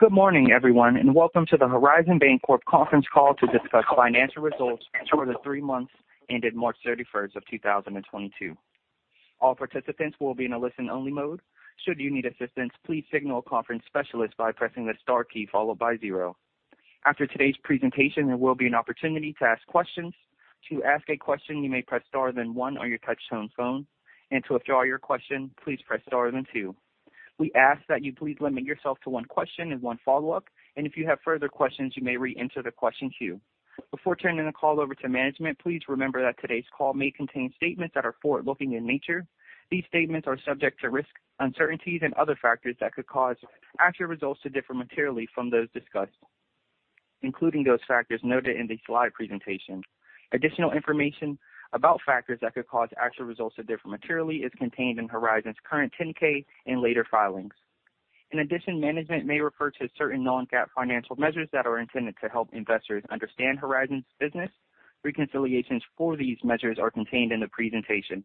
Good morning, everyone, and welcome to the Horizon Bancorp conference call to discuss financial results for the three months ended March 31st, 2022. All participants will be in a listen-only mode. Should you need assistance, please signal a conference specialist by pressing the star key followed by zero. After today's presentation, there will be an opportunity to ask questions. To ask a question, you may press star then one on your touch-tone phone. To withdraw your question, please press star then two. We ask that you please limit yourself to one question and one follow-up. If you have further questions, you may reenter the question queue. Before turning the call over to management, please remember that today's call may contain statements that are forward-looking in nature. These statements are subject to risks, uncertainties, and other factors that could cause actual results to differ materially from those discussed, including those factors noted in the slide presentation. Additional information about factors that could cause actual results to differ materially is contained in Horizon's current 10-K and later filings. In addition, management may refer to certain non-GAAP financial measures that are intended to help investors understand Horizon's business. Reconciliations for these measures are contained in the presentation.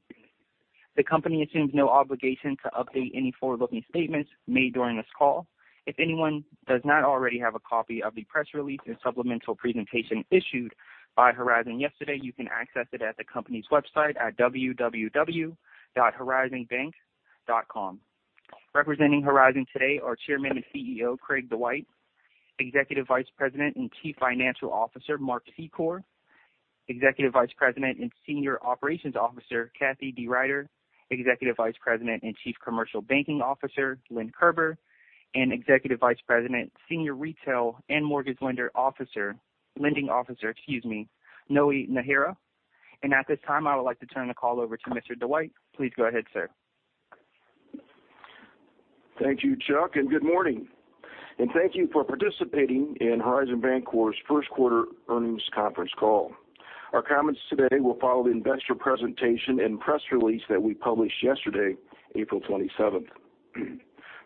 The company assumes no obligation to update any forward-looking statements made during this call. If anyone does not already have a copy of the press release and supplemental presentation issued by Horizon yesterday, you can access it at the company's website at www.horizonbank.com. Representing Horizon today are Chairman and CEO, Craig Dwight, Executive Vice President and Chief Financial Officer, Mark Secor, Executive Vice President and Senior Operations Officer, Kathie DeRuiter, Executive Vice President and Chief Commercial Banking Officer, Lynn Kerber, and Executive Vice President, Senior Retail and Mortgage Lending Officer, excuse me, Noe Najera. At this time, I would like to turn the call over to Mr. Dwight. Please go ahead, sir. Thank you, Chuck, and good morning. Thank you for participating in Horizon Bancorp's first quarter earnings conference call. Our comments today will follow the investor presentation and press release that we published yesterday, April twenty-seventh.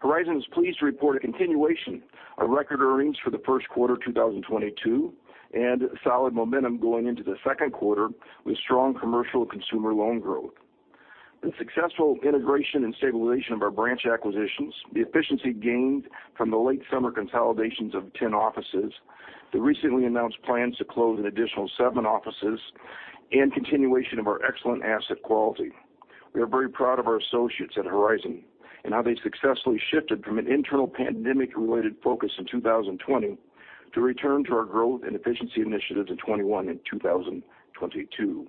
Horizon is pleased to report a continuation of record earnings for the first quarter 2022 and solid momentum going into the second quarter with strong commercial consumer loan growth, the successful integration and stabilization of our branch acquisitions, the efficiency gained from the late summer consolidations of 10 offices, the recently announced plans to close an additional 7 offices, and continuation of our excellent asset quality. We are very proud of our associates at Horizon and how they successfully shifted from an internal pandemic-related focus in 2020 to return to our growth and efficiency initiatives in 2021 and 2022.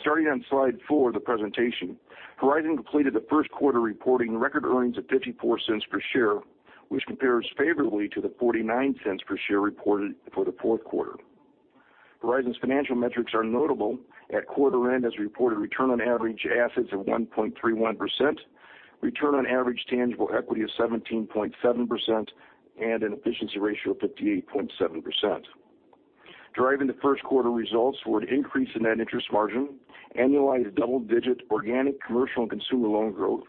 Starting on slide four of the presentation, Horizon completed the first quarter reporting record earnings of $0.54 per share, which compares favorably to the $0.49 per share reported for the fourth quarter. Horizon's financial metrics are notable. At quarter end, as reported return on average assets of 1.31%, return on average tangible equity of 17.7%, and an efficiency ratio of 58.7%. Driving the first quarter results were an increase in net interest margin, annualized double-digit organic commercial and consumer loan growth,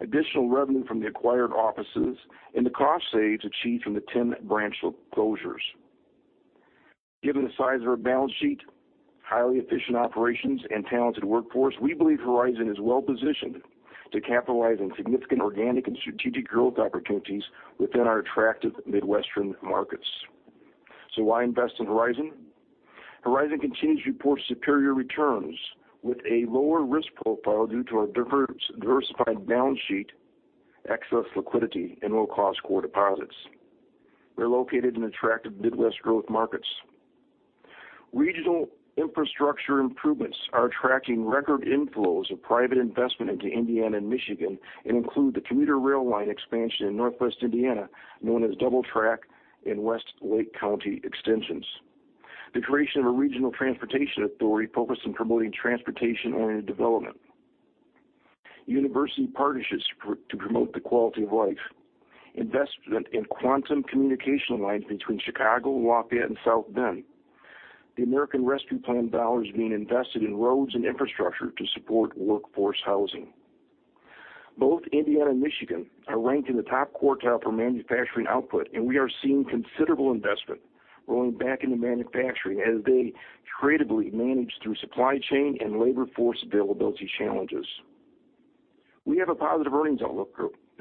additional revenue from the acquired offices, and the cost saves achieved from the 10 branch closures. Given the size of our balance sheet, highly efficient operations and talented workforce, we believe Horizon is well-positioned to capitalize on significant organic and strategic growth opportunities within our attractive Midwestern markets. Why invest in Horizon? Horizon continues to report superior returns with a lower risk profile due to our diversified balance sheet, excess liquidity and low-cost core deposits. We're located in attractive Midwest growth markets. Regional infrastructure improvements are attracting record inflows of private investment into Indiana and Michigan and include the commuter rail line expansion in Northwest Indiana, known as Double Track and West Lake Corridor. The creation of a regional transportation authority focused on promoting transportation-oriented development. University partnerships to promote the quality of life. Investment in quantum communication lines between Chicago, Lafayette and South Bend. The American Rescue Plan dollars being invested in roads and infrastructure to support workforce housing. Both Indiana and Michigan are ranked in the top quartile for manufacturing output, and we are seeing considerable investment rolling back into manufacturing as they creatively manage through supply chain and labor force availability challenges. We have a positive earnings outlook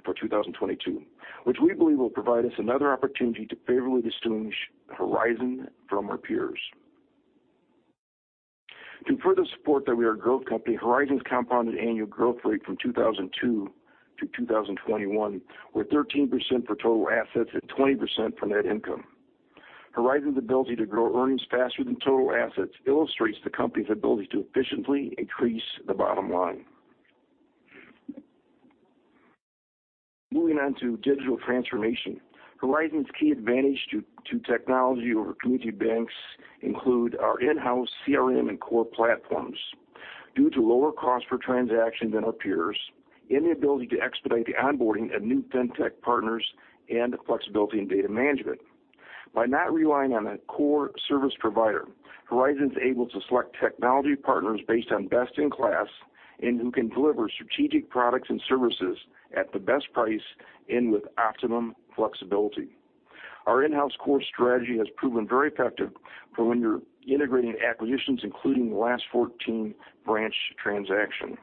for 2022, which we believe will provide us another opportunity to favorably distinguish Horizon from our peers. To further support that we are a growth company, Horizon's compounded annual growth rate from 2002 to 2021, were 13% for total assets and 20% for net income. Horizon's ability to grow earnings faster than total assets illustrates the company's ability to efficiently increase the bottom line. Moving on to digital transformation. Horizon's key advantage to technology over community banks include our in-house CRM and core platforms due to lower cost per transaction than our peers and the ability to expedite the onboarding of new fintech partners and the flexibility in data management. By not relying on a core service provider, Horizon is able to select technology partners based on best in class and who can deliver strategic products and services at the best price and with optimum flexibility. Our in-house core strategy has proven very effective for when you're integrating acquisitions, including the last 14 branch transaction.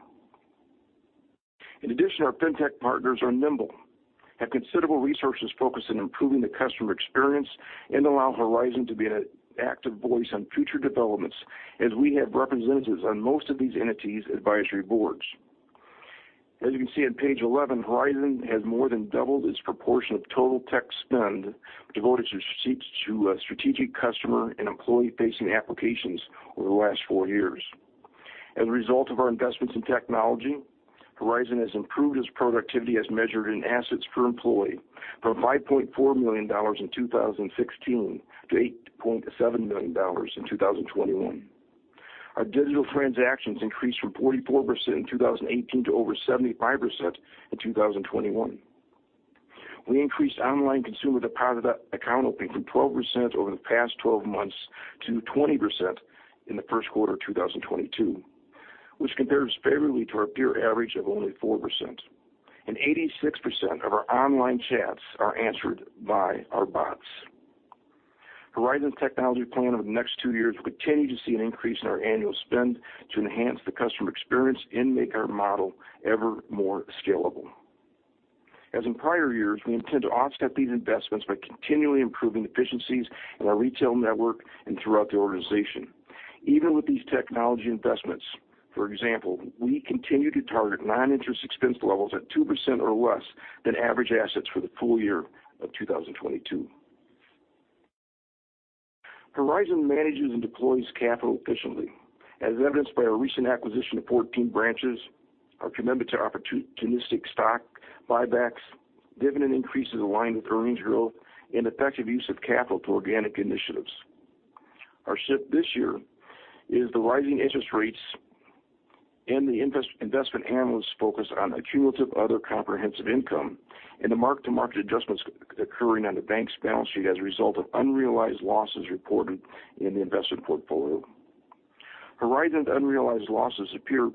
In addition, our fintech partners are nimble, have considerable resources focused on improving the customer experience, and allow Horizon to be an active voice on future developments as we have representatives on most of these entities' advisory boards. As you can see on page 11, Horizon has more than doubled its proportion of total tech spend devoted to strategic customer and employee-facing applications over the last four years. As a result of our investments in technology, Horizon has improved its productivity as measured in assets per employee from $5.4 million in 2016 to $8.7 million in 2021. Our digital transactions increased from 44% in 2018 to over 75% in 2021. We increased online consumer deposit account opening from 12% over the past 12 months to 20% in the first quarter of 2022, which compares favorably to our peer average of only 4%. Eighty-six percent of our online chats are answered by our bots. Horizon's technology plan over the next two years will continue to see an increase in our annual spend to enhance the customer experience and make our model ever more scalable. As in prior years, we intend to offset these investments by continually improving efficiencies in our retail network and throughout the organization. Even with these technology investments, for example, we continue to target non-interest expense levels at 2% or less than average assets for the full year of 2022. Horizon manages and deploys capital efficiently. As evidenced by our recent acquisition of 14 branches, our commitment to opportunistic stock buybacks, dividend increases aligned with earnings growth, and effective use of capital to organic initiatives. Our shift this year is the rising interest rates and the investment analysts' focus on accumulated other comprehensive income and the mark-to-market adjustments occurring on the bank's balance sheet as a result of unrealized losses reported in the investment portfolio. Horizon's unrealized losses appear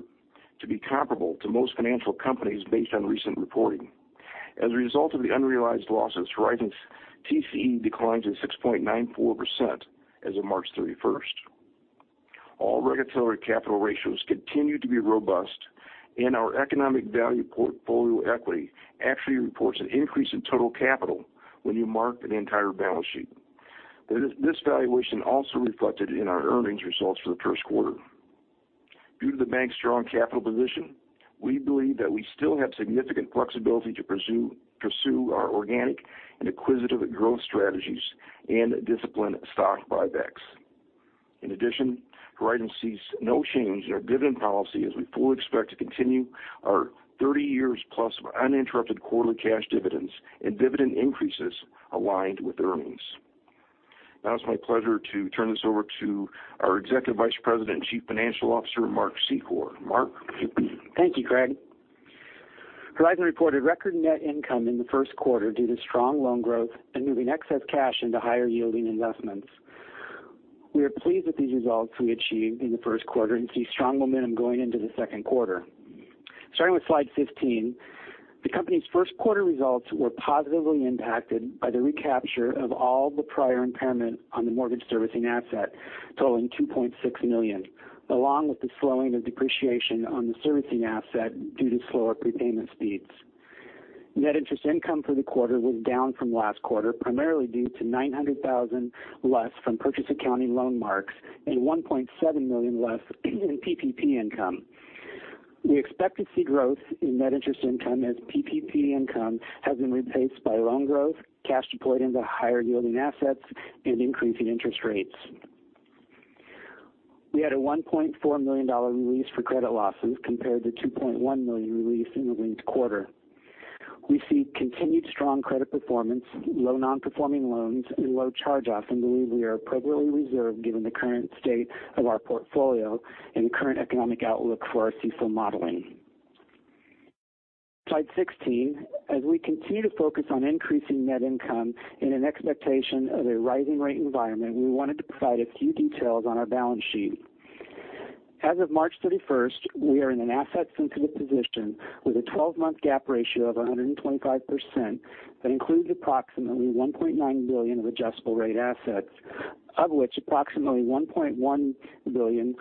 to be comparable to most financial companies based on recent reporting. As a result of the unrealized losses, Horizon's TCE declined to 6.94% as of March 31. All regulatory capital ratios continue to be robust, and our economic value portfolio equity actually reports an increase in total capital when you mark an entire balance sheet. This valuation also reflected in our earnings results for the first quarter. Due to the bank's strong capital position, we believe that we still have significant flexibility to pursue our organic and acquisitive growth strategies and disciplined stock buybacks. In addition, Horizon sees no change in our dividend policy as we fully expect to continue our 30 years plus of uninterrupted quarterly cash dividends and dividend increases aligned with earnings. Now it's my pleasure to turn this over to our Executive Vice President and Chief Financial Officer, Mark Secor. Mark? Thank you, Craig. Horizon reported record net income in the first quarter due to strong loan growth and moving excess cash into higher-yielding investments. We are pleased with these results we achieved in the first quarter and see strong momentum going into the second quarter. Starting with slide 15, the company's first quarter results were positively impacted by the recapture of all the prior impairment on the mortgage servicing asset totaling $2.6 million, along with the slowing of depreciation on the servicing asset due to slower prepayment speeds. Net interest income for the quarter was down from last quarter, primarily due to $900,000 less from purchase accounting loan marks and $1.7 million less in PPP income. We expect to see growth in net interest income as PPP income has been replaced by loan growth, cash deployed into higher-yielding assets, and increasing interest rates. We had a $1.4 million release for credit losses compared to a $2.1 million release in the linked quarter. We see continued strong credit performance, low non-performing loans and low charge-offs, and believe we are appropriately reserved given the current state of our portfolio and current economic outlook for our CECL modeling. Slide 16. As we continue to focus on increasing net income in an expectation of a rising rate environment, we wanted to provide a few details on our balance sheet. As of March 31st, we are in an asset-sensitive position with a 12-month gap ratio of 125% that includes approximately $1.9 billion of adjustable rate assets, of which approximately $1.1 billion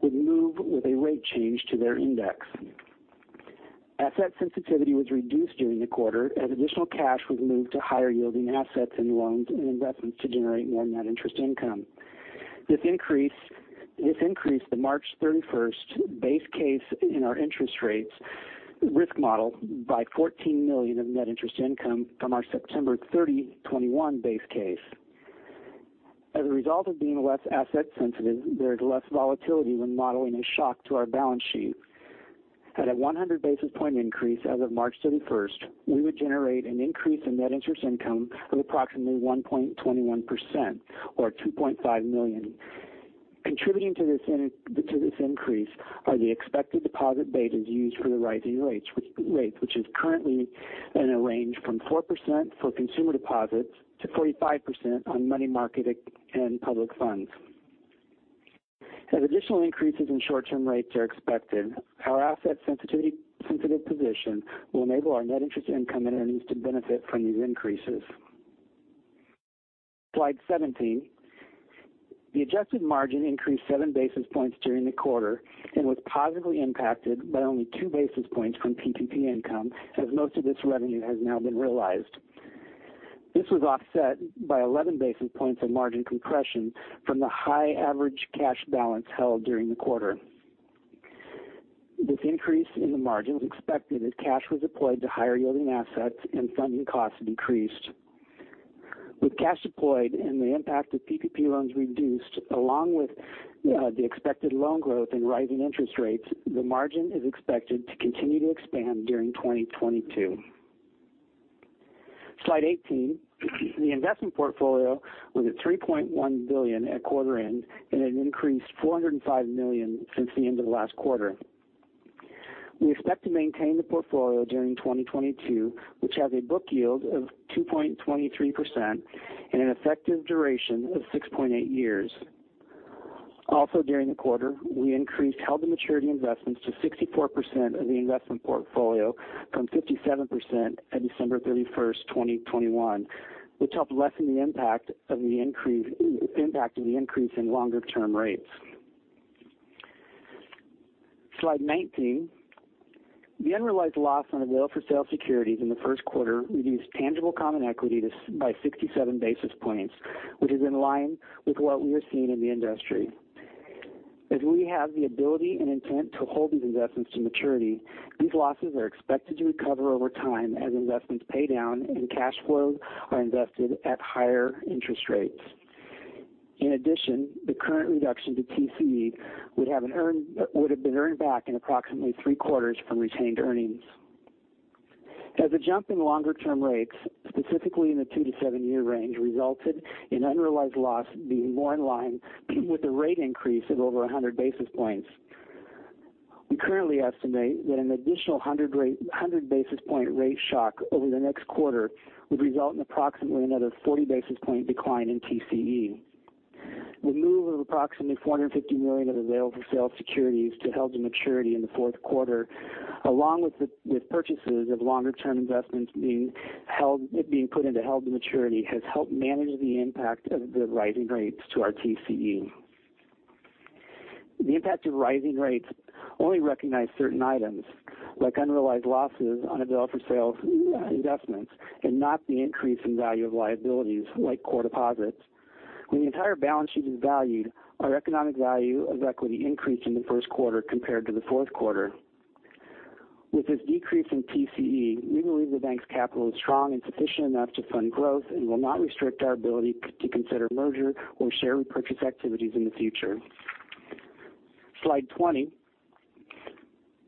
would move with a rate change to their index. Asset sensitivity was reduced during the quarter as additional cash was moved to higher-yielding assets and loans and investments to generate more net interest income. This increased the March 31 base case in our interest rate risk model by $14 million of net interest income from our September 30, 2021 base case. As a result of being less asset sensitive, there's less volatility when modeling a shock to our balance sheet. At a 100 basis point increase as of March 31, we would generate an increase in net interest income of approximately 1.21% or $2.5 million. Contributing to this increase are the expected deposit betas used for the rising rates which is currently in a range from 4% for consumer deposits to 45% on money market and public funds. As additional increases in short-term rates are expected, our asset sensitive position will enable our net interest income and earnings to benefit from these increases. Slide 17. The adjusted margin increased seven basis points during the quarter and was positively impacted by only two basis points from PPP income, as most of this revenue has now been realized. This was offset by 11 basis points of margin compression from the high average cash balance held during the quarter. This increase in the margin was expected as cash was deployed to higher-yielding assets and funding costs decreased. With cash deployed and the impact of PPP loans reduced, along with the expected loan growth and rising interest rates, the margin is expected to continue to expand during 2022. Slide 18. The investment portfolio was at $3.1 billion at quarter end and it increased $405 million since the end of last quarter. We expect to maintain the portfolio during 2022, which has a book yield of 2.23% and an effective duration of 6.8 years. Also, during the quarter, we increased held-to-maturity investments to 64% of the investment portfolio from 57% at December 31, 2021, which helped lessen the impact of the increase in longer-term rates. Slide 19. The unrealized loss on available-for-sale securities in the first quarter reduced tangible common equity TCE by 67 basis points, which is in line with what we are seeing in the industry. As we have the ability and intent to hold these investments to maturity, these losses are expected to recover over time as investments pay down and cash flows are invested at higher interest rates. In addition, the current reduction to TCE would have been earned back in approximately three quarters from retained earnings. As the jump in longer-term rates, specifically in the two-seven-year range, resulted in unrealized loss being more in line with the rate increase of over 100 basis points. We currently estimate that an additional 100 basis point rate shock over the next quarter would result in approximately another 40 basis point decline in TCE. The move of approximately $450 million of available-for-sale securities to held-to-maturity in the fourth quarter, along with purchases of longer-term investments being put into held-to-maturity, has helped manage the impact of the rising rates to our TCE. The impact of rising rates only recognizes certain items like unrealized losses on available-for-sale investments and not the increase in value of liabilities like core deposits. When the entire balance sheet is valued, our economic value of equity increased in the first quarter compared to the fourth quarter. With this decrease in TCE, we believe the bank's capital is strong and sufficient enough to fund growth and will not restrict our ability to consider merger or share repurchase activities in the future. Slide 20.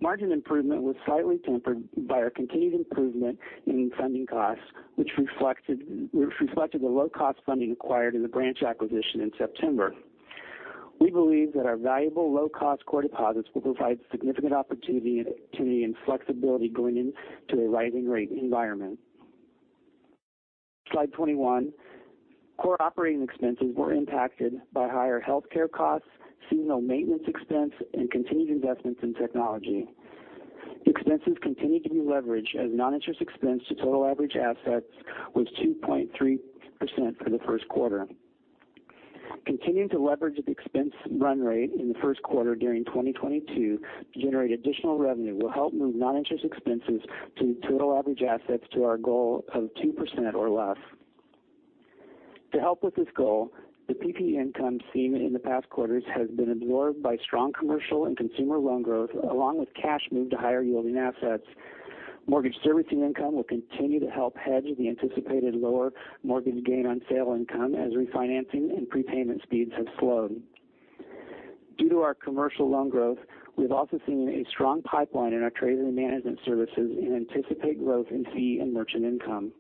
Margin improvement was slightly tempered by our continued improvement in funding costs, which reflected the low-cost funding acquired in the branch acquisition in September. We believe that our valuable low-cost core deposits will provide significant opportunity and flexibility going into a rising rate environment. Slide 21. Core operating expenses were impacted by higher healthcare costs, seasonal maintenance expense, and continued investments in technology. Expenses continued to be leveraged as non-interest expense to total average assets was 2.3% for the first quarter. Continuing to leverage the expense run rate in the first quarter during 2022 to generate additional revenue will help move non-interest expenses to total average assets to our goal of 2% or less. To help with this goal, the PPP income seen in the past quarters has been absorbed by strong commercial and consumer loan growth, along with cash moved to higher-yielding assets. Mortgage servicing income will continue to help hedge the anticipated lower mortgage gain on sale income as refinancing and prepayment speeds have slowed. Due to our commercial loan growth, we've also seen a strong pipeline in our treasury management services and anticipate growth in fee and merchant income.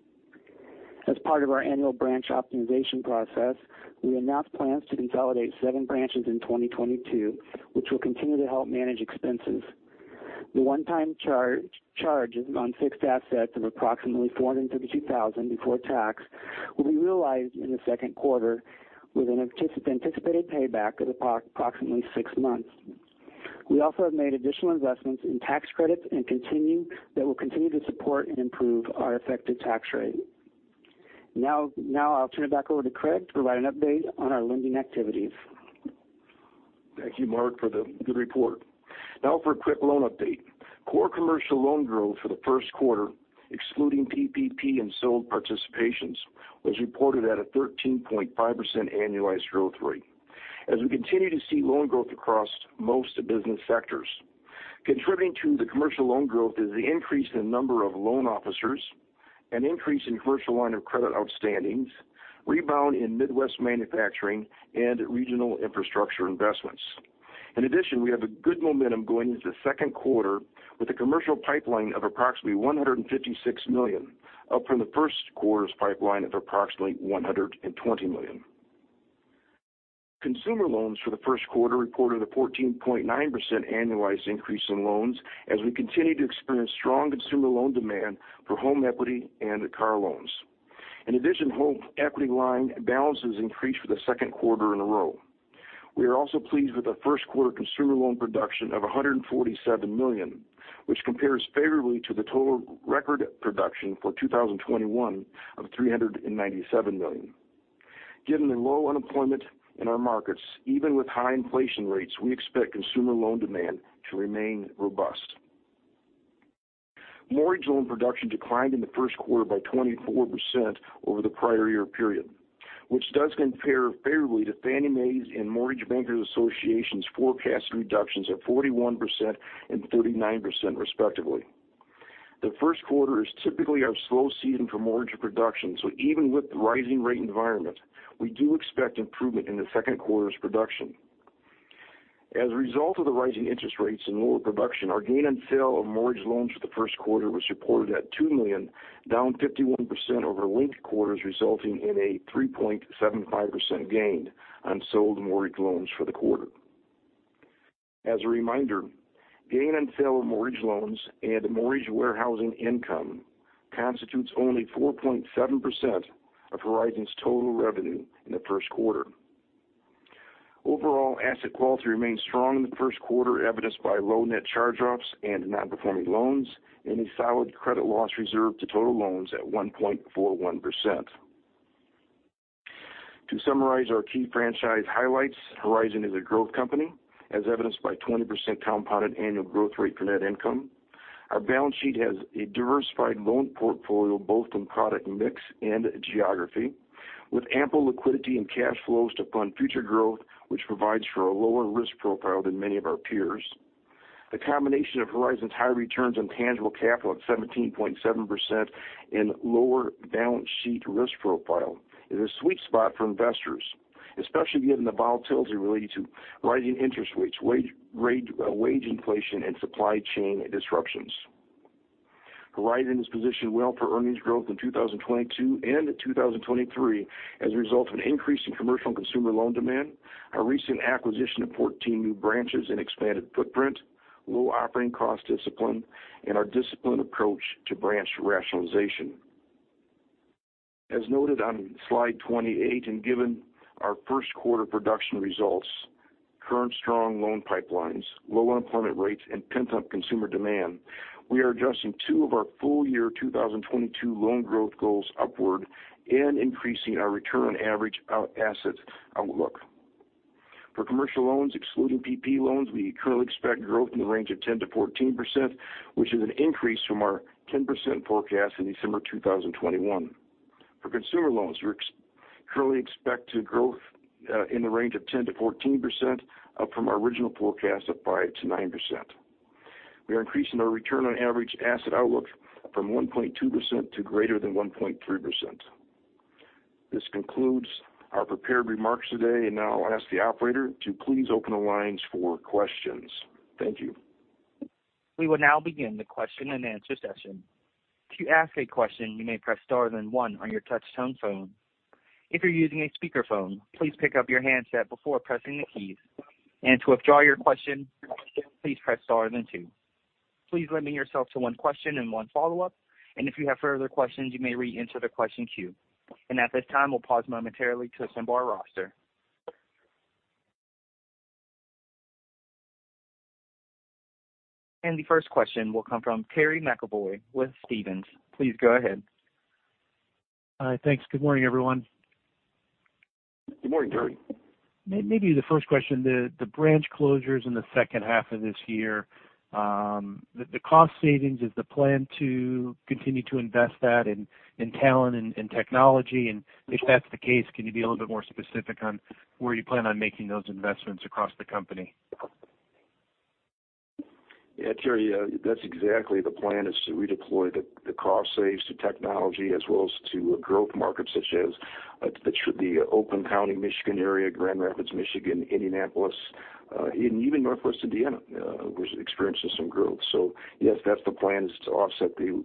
As part of our annual branch optimization process, we announced plans to consolidate 7 branches in 2022, which will continue to help manage expenses. The one-time charge on fixed assets of approximately $452,000 before tax will be realized in the second quarter with an anticipated payback of approximately six months. We also have made additional investments in tax credits and that will continue to support and improve our effective tax rate. Now I'll turn it back over to Craig to provide an update on our lending activities. Thank you, Mark, for the good report. Now for a quick loan update. Core commercial loan growth for the first quarter, excluding PPP and sold participations, was reported at a 13.5% annualized growth rate as we continue to see loan growth across most business sectors. Contributing to the commercial loan growth is the increase in number of loan officers, an increase in commercial line of credit outstandings, rebound in Midwest manufacturing, and regional infrastructure investments. In addition, we have a good momentum going into the second quarter with a commercial pipeline of approximately $156 million, up from the first quarter's pipeline of approximately $120 million. Consumer loans for the first quarter reported a 14.9% annualized increase in loans as we continue to experience strong consumer loan demand for home equity and car loans. In addition, home equity line balances increased for the second quarter in a row. We are also pleased with the first quarter consumer loan production of $147 million, which compares favorably to the total record production for 2021 of $397 million. Given the low unemployment in our markets, even with high inflation rates, we expect consumer loan demand to remain robust. Mortgage loan production declined in the first quarter by 24% over the prior year period, which does compare favorably to Fannie Mae's and Mortgage Bankers Association's forecast reductions of 41% and 39% respectively. The first quarter is typically our slow season for mortgage production, so even with the rising rate environment, we do expect improvement in the second quarter's production. As a result of the rising interest rates and lower production, our gain on sale of mortgage loans for the first quarter was reported at $2 million, down 51% over linked quarters, resulting in a 3.75% gain on sold mortgage loans for the quarter. As a reminder, gain on sale of mortgage loans and mortgage warehousing income constitutes only 4.7% of Horizon's total revenue in the first quarter. Overall, asset quality remained strong in the first quarter, evidenced by low net charge-offs and non-performing loans, and a solid credit loss reserve to total loans at 1.41%. To summarize our key franchise highlights, Horizon is a growth company, as evidenced by 20% compounded annual growth rate for net income. Our balance sheet has a diversified loan portfolio, both in product mix and geography, with ample liquidity and cash flows to fund future growth, which provides for a lower risk profile than many of our peers. The combination of Horizon's high returns on tangible capital at 17.7% and lower balance sheet risk profile is a sweet spot for investors, especially given the volatility related to rising interest rates, wage inflation, and supply chain disruptions. Horizon is positioned well for earnings growth in 2022 and 2023 as a result of an increase in commercial and consumer loan demand, our recent acquisition of 14 new branches and expanded footprint, low operating cost discipline, and our disciplined approach to branch rationalization. As noted on slide 28, and given our first quarter production results, current strong loan pipelines, low unemployment rates, and pent-up consumer demand, we are adjusting two of our full year 2022 loan growth goals upward and increasing our return on average assets outlook. For commercial loans, excluding PPP loans, we currently expect growth in the range of 10%-14%, which is an increase from our 10% forecast in December 2021. For consumer loans, we currently expect growth in the range of 10%-14% up from our original forecast of 5%-9%. We are increasing our return on average asset outlook from 1.2% to greater than 1.3%. This concludes our prepared remarks today, and now I'll ask the operator to please open the lines for questions. Thank you. We will now begin the question and answer session. To ask a question, you may press star then one on your touch tone phone. If you're using a speakerphone, please pick up your handset before pressing the keys. To withdraw your question, please press star then two. Please limit yourself to one question and one follow-up. If you have further questions, you may re-enter the question queue. At this time, we'll pause momentarily to assemble our roster. The first question will come from Terry McEvoy with Stephens. Please go ahead. Thanks. Good morning, everyone. Good morning, Terry. Maybe the first question, the branch closures in the second half of this year. The cost savings, is the plan to continue to invest that in talent and technology? If that's the case, can you be a little bit more specific on where you plan on making those investments across the company? Yeah, Terry, that's exactly the plan is to redeploy the cost savings to technology as well as to growth markets such as the Oakland County, Michigan area, Grand Rapids, Michigan, Indianapolis, and even Northwest Indiana, which is experiencing some growth. Yes, that's the plan is to offset the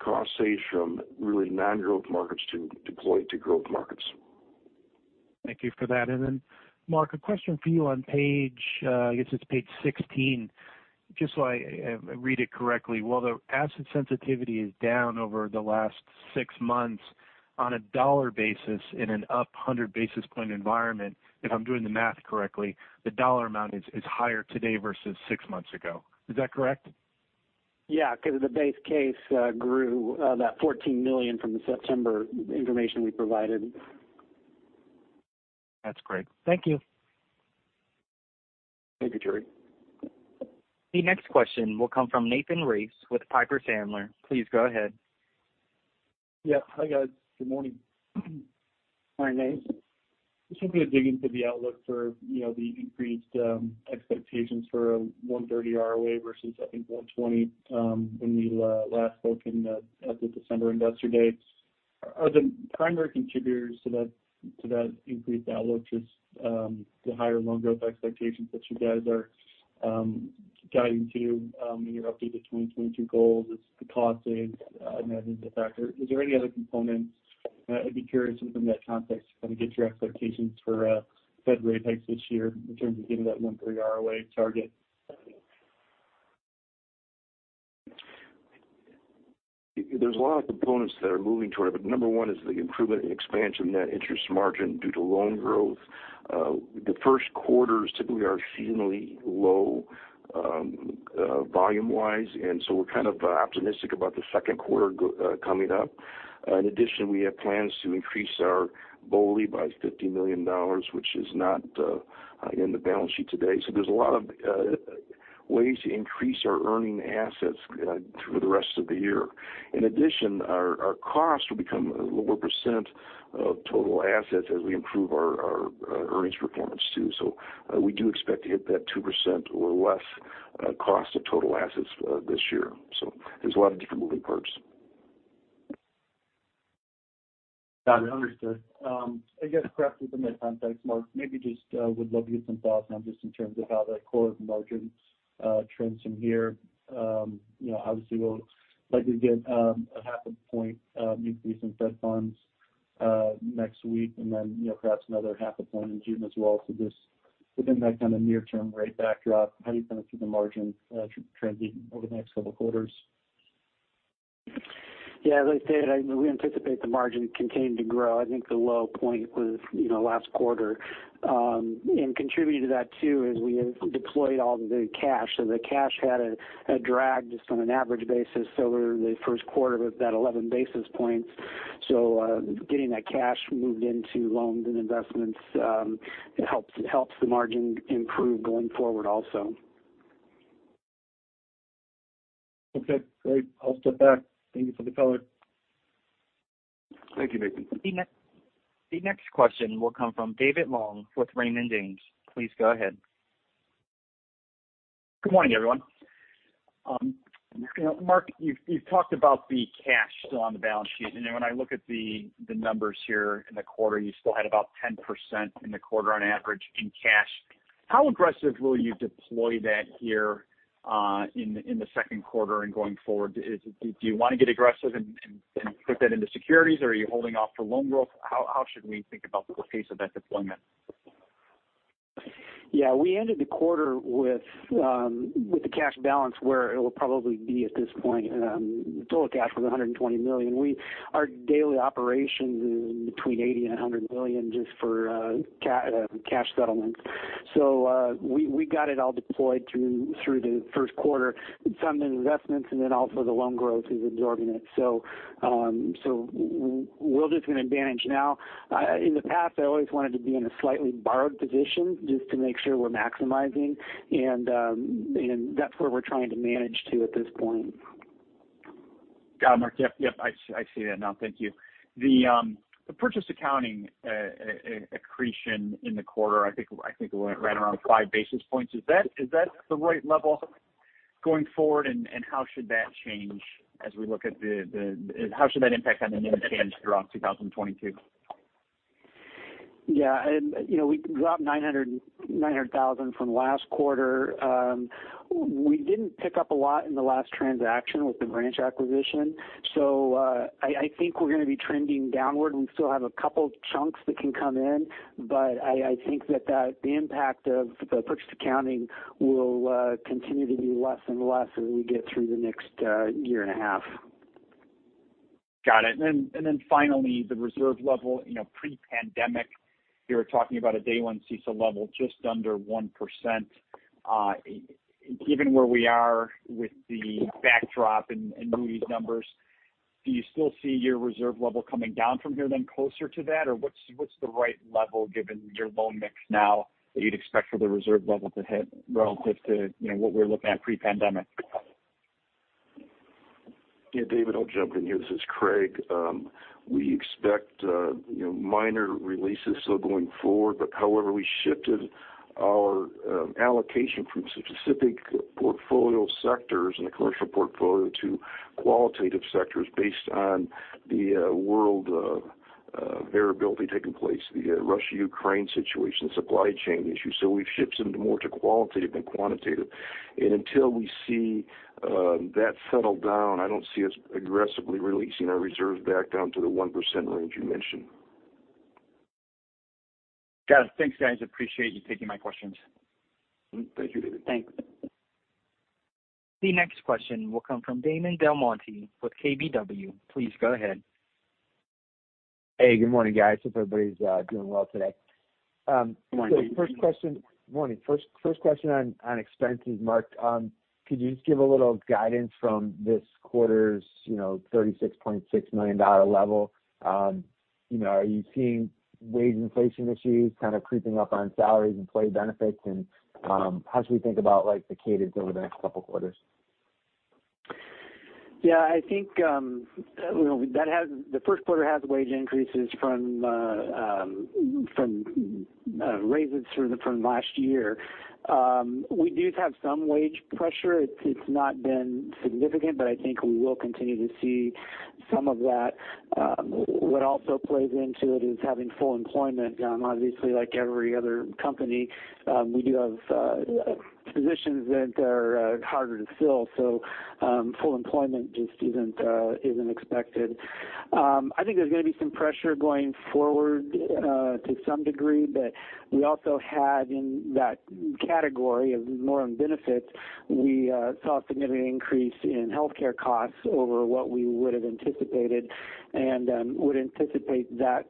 cost savings from really non-growth markets to deploy to growth markets. Thank you for that. Mark, a question for you on page 16. Just so I read it correctly, while the asset sensitivity is down over the last six months on a dollar basis in an up 100 basis point environment, if I'm doing the math correctly, the dollar amount is higher today versus six months ago. Is that correct? Yeah, 'cause the base case grew that $14 million from the September information we provided. That's great. Thank you. Thank you, Terry. The next question will come from Nathan Race with Piper Sandler. Please go ahead. Yeah. Hi, guys. Good morning. Morning, Nate. Just wanted to dig into the outlook for, you know, the increased expectations for 1.30% ROA versus I think 1.20%, when we last spoke at the December investor day. Are the primary contributors to that increased outlook just the higher loan growth expectations that you guys are guiding to in your updated 2022 goals? It's the cost savings, I imagine, is a factor. Is there any other components? I'd be curious from that context to kind of get your expectations for Fed rate hikes this year in terms of hitting that 1.30% ROA target. There's a lot of components that are moving toward it. Number one is the improvement in expansion net interest margin due to loan growth. The first quarters typically are seasonally low, volume-wise, and we're kind of optimistic about the second quarter coming up. In addition, we have plans to increase our BOLI by $50 million, which is not in the balance sheet today. There's a lot of ways to increase our earning assets through the rest of the year. In addition, our costs will become a lower percent of total assets as we improve our earnings performance too. We do expect to hit that 2% or less cost of total assets this year. There's a lot of different moving parts. Got it. Understood. I guess perhaps in the macro context, Mark, maybe just would love to get some thoughts on just in terms of how that core margin trends from here. You know, obviously we'll likely get a half a point increase in Fed funds next week, and then, you know, perhaps another half a point in June as well. Just within that kind of near term rate backdrop, how are you thinking through the margin trending over the next couple of quarters? Yeah, as I said, we anticipate the margin continuing to grow. I think the low point was, you know, last quarter. Contributing to that too, is we have deployed all the cash. The cash had a drag just on an average basis over the first quarter with that 11 basis points. Getting that cash moved into loans and investments, it helps the margin improve going forward also. Okay, great. I'll step back. Thank you for the color. Thank you, Nathan. The next question will come from David Long with Raymond James. Please go ahead. Good morning, everyone. Mark, you've talked about the cash still on the balance sheet. When I look at the numbers here in the quarter, you still had about 10% in the quarter on average in cash. How aggressive will you deploy that here in the second quarter and going forward? Is it? Do you want to get aggressive and put that into securities, or are you holding off for loan growth? How should we think about the pace of that deployment? Yeah, we ended the quarter with the cash balance where it will probably be at this point. Total cash was $100 million. Our daily operations is between $80 million and $100 million just for cash settlement. We got it all deployed through the first quarter. Some in investments, and then also the loan growth is absorbing it. We're just going to manage now. In the past, I always wanted to be in a slightly borrowed position just to make sure we're maximizing. That's where we're trying to manage to at this point. Got it, Mark. Yep. Yep, I see that now. Thank you. The purchase accounting accretion in the quarter, I think it went right around five basis points. Is that the right level going forward, and how should that change as we look at the, how should that impact on the net change throughout 2022? Yeah. You know, we dropped $900,000 from last quarter. We didn't pick up a lot in the last transaction with the branch acquisition. I think we're going to be trending downward. We still have a couple chunks that can come in, but I think that the impact of the purchase accounting will continue to be less and less as we get through the next year and a half. Got it. Then finally, the reserve level. You know, pre-pandemic, you were talking about a day one CECL level just under 1%. Given where we are with the backdrop and Moody's numbers, do you still see your reserve level coming down from here then closer to that? Or what's the right level given your loan mix now that you'd expect for the reserve level to hit relative to, you know, what we're looking at pre-pandemic? Yeah, David, I'll jump in here. This is Craig. We expect, you know, minor releases still going forward. However, we shifted our allocation from specific portfolio sectors in the commercial portfolio to qualitative sectors based on the worldwide variability taking place, the Russia-Ukraine situation, supply chain issues. We've shifted more to qualitative than quantitative. Until we see that settle down, I don't see us aggressively releasing our reserve back down to the 1% range you mentioned. Got it. Thanks, guys. I appreciate you taking my questions. Thank you, David. Thanks. The next question will come from Damon DelMonte with KBW. Please go ahead. Hey, good morning, guys. Hope everybody's doing well today. Good morning. First question this morning. First question on expenses. Mark, could you just give a little guidance from this quarter's, you know, $36.6 million level? You know, are you seeing wage inflation issues kind of creeping up on salaries, employee benefits? And how should we think about like the cadence over the next couple quarters? Yeah, I think, you know, the first quarter has wage increases from raises from last year. We do have some wage pressure. It's not been significant, but I think we will continue to see some of that later. What also plays into it is having full employment. Obviously like every other company, we do have positions that are harder to fill. Full employment just isn't expected. I think there's going to be some pressure going forward to some degree, but we also had in that category of more on benefits, we saw a significant increase in health care costs over what we would have anticipated and would anticipate that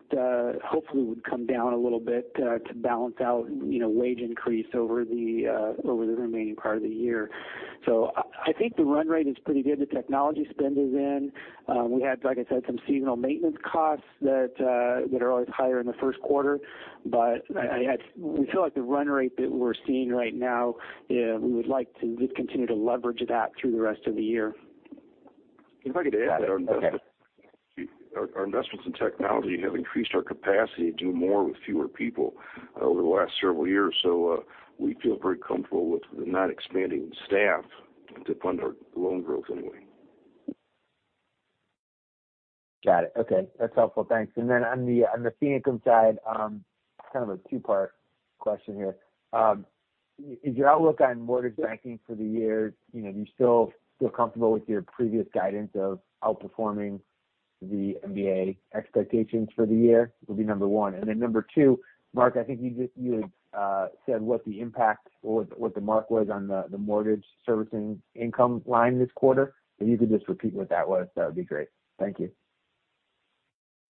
hopefully would come down a little bit to balance out, you know, wage increase over the remaining part of the year. I think the run rate is pretty good. The technology spend is in. We had, like I said, some seasonal maintenance costs that are always higher in the first quarter. I feel like the run rate that we're seeing right now, we would like to just continue to leverage that through the rest of the year. If I could add our invest- Okay. Our investments in technology have increased our capacity to do more with fewer people over the last several years. We feel very comfortable with not expanding staff to fund our loan growth anyway. Got it. Okay, that's helpful. Thanks. Then on the fee income side, kind of a two-part question here. Is your outlook on mortgage banking for the year, you know, do you still feel comfortable with your previous guidance of outperforming the MBA expectations for the year? Would be number one. Then number two, Mark, I think you just you had said what the impact or what the mark was on the mortgage servicing income line this quarter. If you could just repeat what that was, that would be great. Thank you.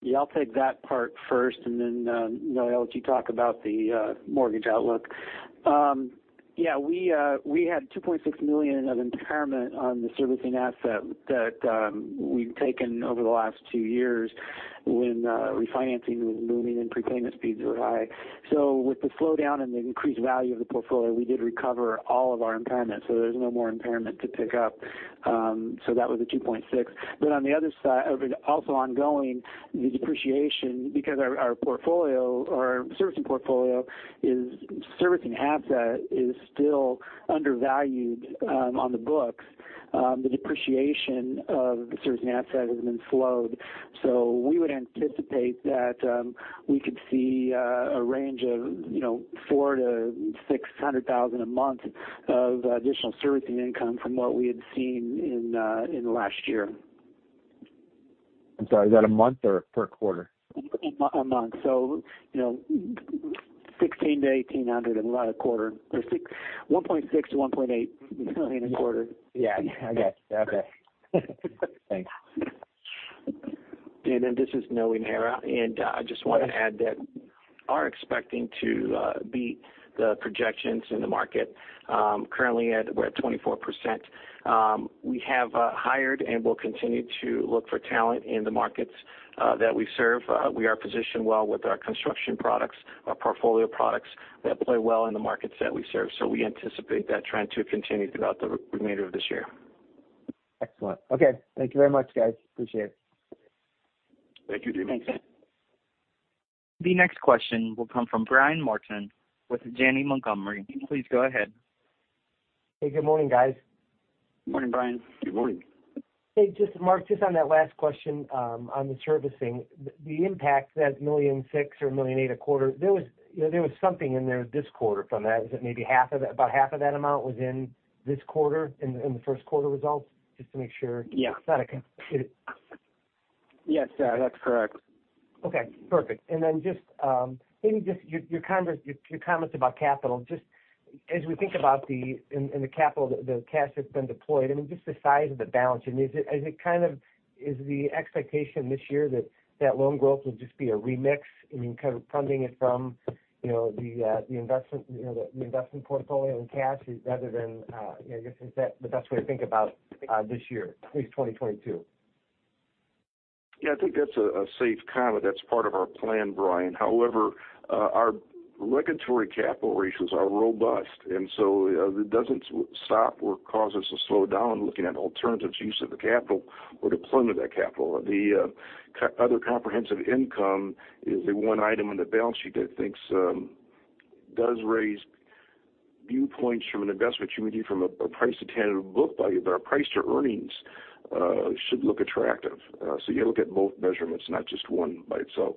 Yeah, I'll take that part first, and then, you know, I'll let you talk about the mortgage outlook. We had $2.6 million of impairment on the servicing asset that we've taken over the last two years when refinancing was moving and prepayment speeds were high. With the slowdown and the increased value of the portfolio, we did recover all of our impairment, so there's no more impairment to pick up. That was the 2.6. But on the other side of it, also ongoing, the depreciation because our servicing portfolio servicing asset is still undervalued on the books. The depreciation of the servicing asset has been flowed. We would anticipate that we could see a range of, you know, $400,000-$600,000 a month of additional servicing income from what we had seen in last year. I'm sorry, is that a month or per quarter? A month. You know, $1,600-$1,800 in line a quarter or $1.6 million-$1.8 million a quarter. Yeah. Okay. Thanks. This is Noe Najera, and I just want to add that we are expecting to beat the projections in the market. Currently we're at 24%. We have hired and will continue to look for talent in the markets that we serve. We are positioned well with our construction products, our portfolio products that play well in the markets that we serve. We anticipate that trend to continue throughout the remainder of this year. Excellent. Okay. Thank you very much, guys. Appreciate it. Thank you. Thanks. The next question will come from Brian Martin with Janney Montgomery Scott. Please go ahead. Hey, good morning, guys. Morning, Brian. Good morning. Hey, just Mark, just on that last question, on the servicing. The impact, that $1.6 million or $1.8 million a quarter, there was something in there this quarter from that. Was it maybe half of that, about half of that amount in this quarter, in the first quarter results? Just to make sure. Yeah. Got it. Yes. That's correct. Okay, perfect. Just maybe just your comments about capital. Just as we think about in the capital, the cash that's been deployed, I mean, just the size of the balance sheet. I mean, are you kind of is the expectation this year that that loan growth will just be a remix? I mean, kind of funding it from, you know, the investment portfolio and cash rather than, you know, I guess, is that the best way to think about this year, at least 2022? Yeah, I think that's a safe comment. That's part of our plan, Brian. However, our regulatory capital ratios are robust, and so it doesn't stop or cause us to slow down looking at alternatives, use of the capital or deployment of that capital. The other comprehensive income is the one item on the balance sheet that swings does raise viewpoints from an investment community from a price to tangible book value, but our price to earnings should look attractive. You look at both measurements, not just one by itself.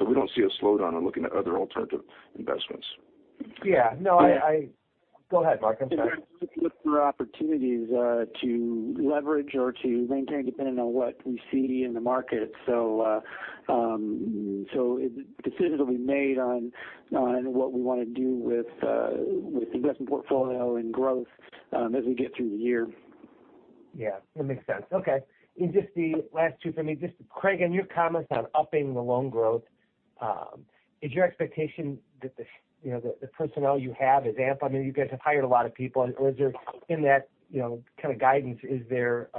We don't see a slowdown on looking at other alternative investments. Yeah. No, go ahead, Mark. I'm sorry. Look for opportunities to leverage or to maintain, depending on what we see in the market. Decisions will be made on what we want to do with the investment portfolio and growth, as we get through the year. Yeah, that makes sense. Okay. Just the last two for me, just Craig and your comments on upping the loan growth. Is your expectation that the personnel you have is ample? I mean, you guys have hired a lot of people. Or is there in that kind of guidance your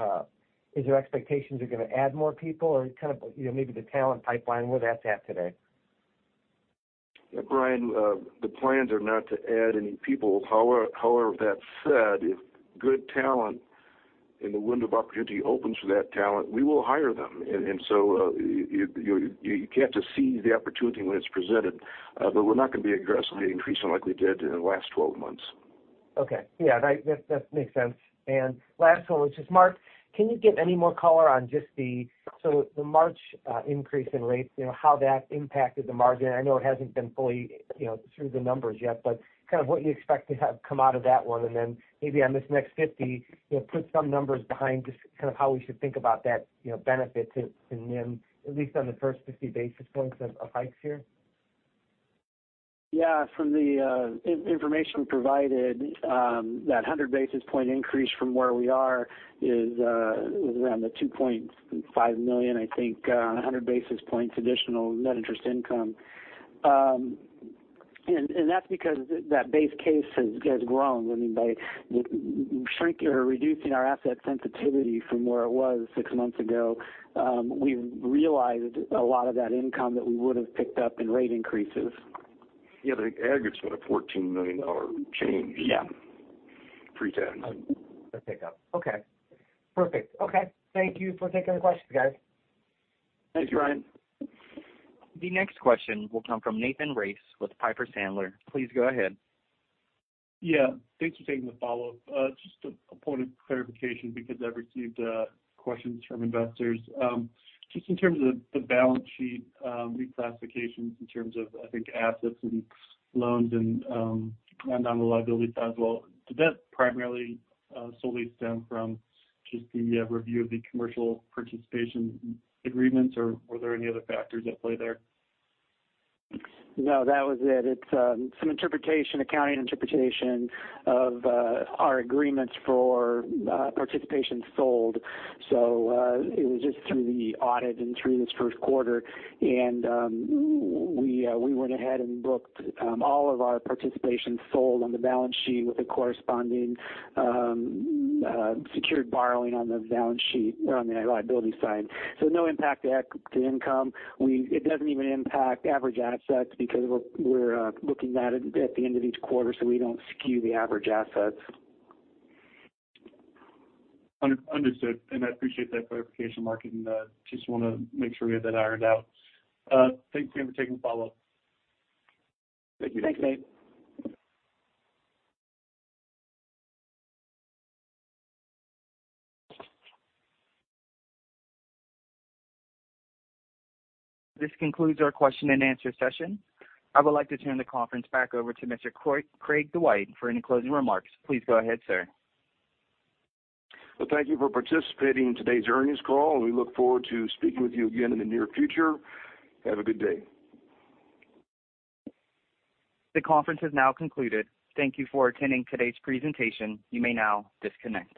expectations you're going to add more people or kind of maybe the talent pipeline where that's at today? Yeah, Brian, the plans are not to add any people. However, that said, if good talent and the window of opportunity opens for that talent, we will hire them. You can't just see the opportunity when it's presented. We're not going to be aggressively increasing like we did in the last 12 months. Okay. Yeah, right. That makes sense. Last one, which is, Mark, can you give any more color on just the, so the March increase in rates, you know, how that impacted the margin? I know it hasn't been fully, you know, through the numbers yet, but kind of what you expect to have come out of that one. Then maybe on this next 50, you know, put some numbers behind just kind of how we should think about that, you know, benefit to NIM, at least on the first 50 basis points of hikes here. Yeah. From the information provided, that 100 basis point increase from where we are is around the $2.5 million, I think, on a 100 basis points additional net interest income. That's because that base case has grown. I mean, by shrinking or reducing our asset sensitivity from where it was six months ago, we've realized a lot of that income that we would have picked up in rate increases. Yeah. The aggregate's about a $14 million dollar change. Yeah. Pre-tax. A pickup. Okay. Perfect. Okay, thank you for taking the questions, guys. Thank you. Thanks, Brian Martin. The next question will come from Nathan Race with Piper Sandler. Please go ahead. Yeah, thanks for taking the follow-up. Just a point of clarification because I've received questions from investors. Just in terms of the balance sheet reclassifications in terms of, I think, assets and loans and on the liability side as well, did that primarily solely stem from just the review of the commercial participation agreements, or were there any other factors at play there? No, that was it. It's some interpretation, accounting interpretation of our agreements for participation sold. It was just through the audit and through this first quarter. We went ahead and booked all of our participation sold on the balance sheet with the corresponding secured borrowing on the balance sheet on the liability side. No impact to income. It doesn't even impact average assets because we're looking at it at the end of each quarter, so we don't skew the average assets. Understood, and I appreciate that clarification, Mark, and just wanna make sure we have that ironed out. Thanks again for taking the follow-up. Thank you. Thanks, Nate. This concludes our question-and-answer session. I would like to turn the conference back over to Mr. Craig Dwight for any closing remarks. Please go ahead, sir. Well, thank you for participating in today's earnings call, and we look forward to speaking with you again in the near future. Have a good day. The conference has now concluded. Thank you for attending today's presentation. You may now disconnect.